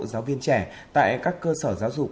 giáo viên trẻ tại các cơ sở giáo dục